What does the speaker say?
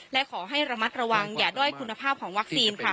และขอให้ระมัดระวังอย่าด้อยคุณภาพของวัคซีนค่ะ